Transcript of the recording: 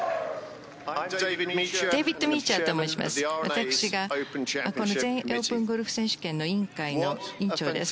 私がこの全英オープンゴルフ選手権の委員会の委員長です。